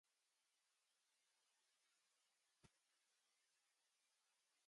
Travelling by liner is the most expensive way of travelling.